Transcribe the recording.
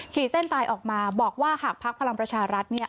ขี่เส้นตายออกมาบอกว่าหากภักดิ์พลังประชารัฐเนี่ย